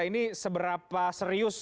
ini seberapa serius